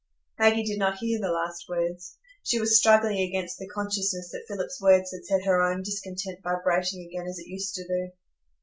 Maggie did not hear the last words; she was struggling against the consciousness that Philip's words had set her own discontent vibrating again as it used to do.